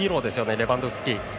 レバンドフスキ。